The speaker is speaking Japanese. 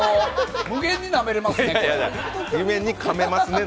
無限になめれますね。